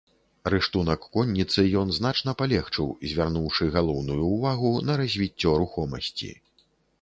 Рыштунак конніцы ён значна палегчыў, звярнуўшы галоўную ўвагу на развіццё рухомасці.